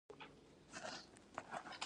ښتې د افغانستان د سیلګرۍ برخه ده.